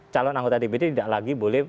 calon anggota dpd tidak lagi boleh